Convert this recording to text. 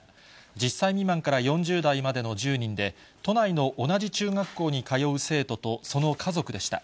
１０歳未満から４０代までの１０人で、都内の同じ中学校に通う生徒と、その家族でした。